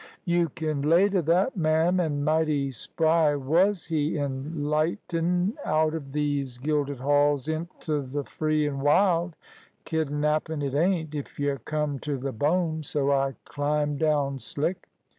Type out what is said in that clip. "You kin lay to that, ma'am, an' mighty spry wos he in lightin' out of these gilded halls int' the free an' wild. Kidnappin' it ain't, if y' come t' th' bone, so I climb down slick.